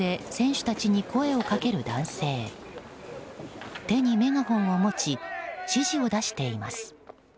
手にメガホンを持ち指示を出しています。